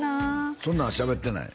そんなんしゃべってない？